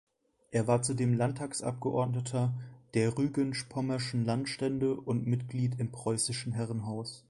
Er war zudem Landtagsabgeordneter der rügensch-pommerschen Landstände und Mitglied im preußischen Herrenhaus.